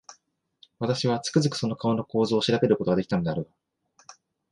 私は、つくづくその顔の構造を調べる事が出来たのであるが、